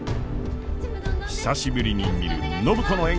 久しぶりに見る暢子の笑顔。